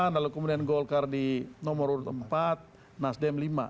lalu kemudian golkar di nomor urut empat nasdem lima